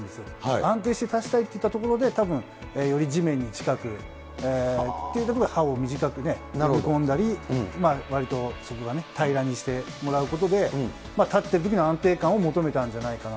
安定して立ちたいというところから、たぶん、より地面に近くっていうところで、刃を短くね、投げ込んだり、割とそこは平らにしてもらうことで、立ってるときの安定感を求めたんじゃないかな